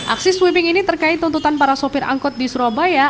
aksi sweeping ini terkait tuntutan para sopir angkot di surabaya